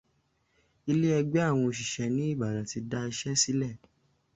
Ilé ẹgbẹ́ àwọn òṣìṣẹ́ ní Ìbàdàn ti da iṣẹ́ sílẹ̀?